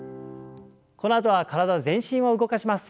このあとは体全身を動かします。